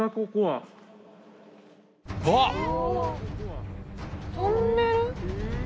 あっ！